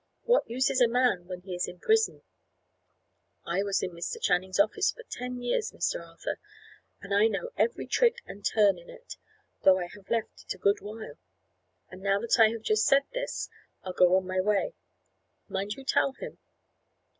What use is a man when he is in prison? I was in Mr. Channing's office for ten years, Mr. Arthur, and I know every trick and turn in it, though I have left it a good while. And now that I have just said this, I'll go on my way. Mind you tell him."